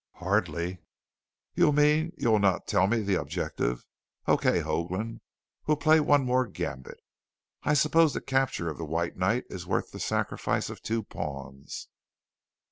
"Hardly." "You mean you'll not tell me the objective. Okay, Hoagland, we'll play one more gambit. I suppose the capture of the White Knight is worth the sacrifice of two pawns."